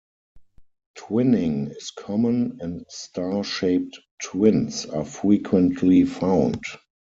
Twinning is common and star shaped twins are frequently found.